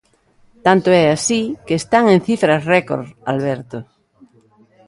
Tanto é así que están en cifras récord, Alberto...